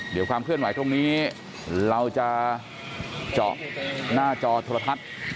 เดี๋ยวความเคลื่อนไหวตรงนี้เราจะเจาะหน้าจอโทรทัศน์